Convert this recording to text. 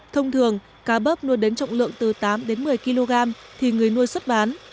thông thường cá bớp nuôi đến trọng lượng từ tám một mươi kg thì người nuôi xuất bán